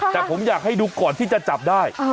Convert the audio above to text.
แต่ผมอยากให้ดูก่อนที่จะจับได้